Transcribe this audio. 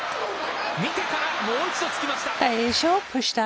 見てから、もう一度つきました。